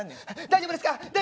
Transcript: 大丈夫ですか？